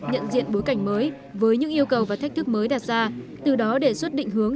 nhận diện bối cảnh mới với những yêu cầu và thách thức mới đặt ra từ đó đề xuất định hướng